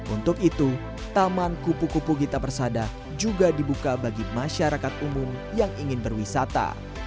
untuk itu taman kupu kupu gita persada juga dibuka bagi masyarakat umum yang ingin berwisata